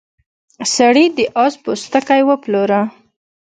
سړي د اس پوستکی وپلوره.